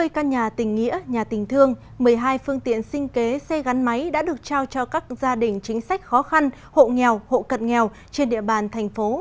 năm mươi căn nhà tình nghĩa nhà tình thương một mươi hai phương tiện sinh kế xe gắn máy đã được trao cho các gia đình chính sách khó khăn hộ nghèo hộ cận nghèo trên địa bàn thành phố